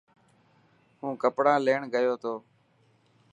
هون ڪپڙا ليڻ گيو تو.